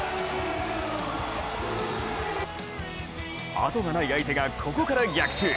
あとがない相手がここから逆襲。